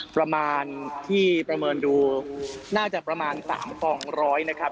ประมาณที่ประเมินดูน่าจะประมาณ๓กองร้อยนะครับ